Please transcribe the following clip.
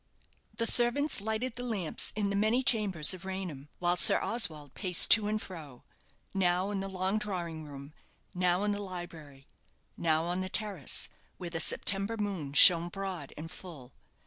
The servants lighted the lamps in the many chambers of Raynham, while Sir Oswald paced to and fro now in the long drawing room; now in the library; now on the terrace, where the September moon shone broad and full.